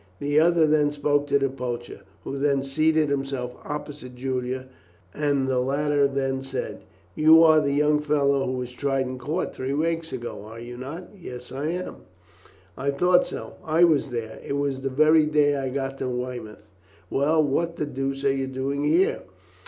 The other then spoke to the poacher, who had seated himself opposite Julian, and the latter then said: "You are the young fellow who was tried in court three weeks ago, are you not?" "Yes, I am." "I thought so; I was there. It was the very day I got to Weymouth. Well, what the deuce are you doing here?